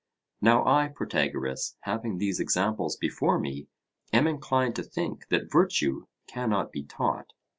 Now I, Protagoras, having these examples before me, am inclined to think that virtue cannot be taught.